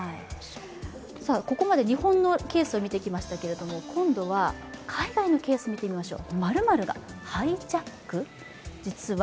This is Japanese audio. ここまで日本のケースを見てきましたが、今度は海外のケースを見ていきましょう。